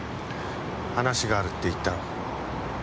話があるって言ったろ。